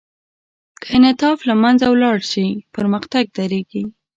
که انعطاف له منځه ولاړ شي، پرمختګ درېږي.